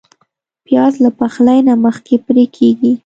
پیاز له پخلي نه مخکې پرې کېږي